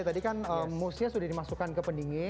tadi kan moosnya sudah dimasukkan ke pendingin